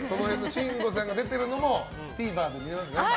慎吾さんが出ているのもＴＶｅｒで見られますね。